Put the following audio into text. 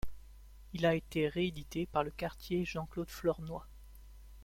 Il a été réédité par le cartier Jean-Claude Flornoy.